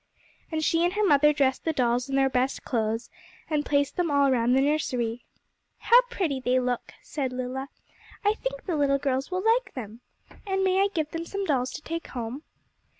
And she and her mother dressed the dolls in their best clothes, and placed them all round the nursery. 'How pretty they look!' said Lilla; 'I think the little girls will like them. And may I give them some dolls to take home?